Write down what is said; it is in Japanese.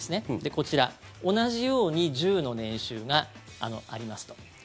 こちら、同じように１０の年収がありますと。